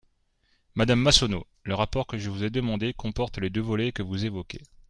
Madame Massonneau, le rapport que j’ai demandé comporte les deux volets que vous évoquez.